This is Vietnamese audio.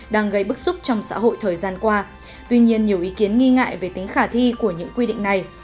và nhiều ý kiến nghi ngại về tính khả thi của những quy định này